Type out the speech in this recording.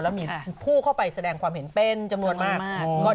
แล้วมีผู้เข้าไปแสดงความเห็นเป็นจำนวนมาก